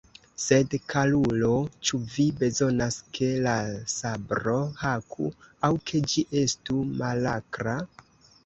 Sed, karulo, ĉu vi bezonas, ke la sabro haku, aŭ ke ĝi estu malakra?